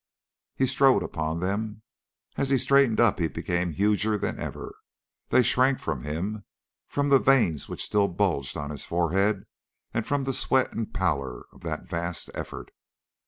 He strode upon them. As he straightened up he became huger than ever. They shrank from him from the veins which still bulged on his forehead and from the sweat and pallor of that vast effort.